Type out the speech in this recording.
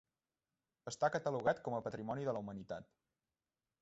Està catalogat com a Patrimoni de la Humanitat.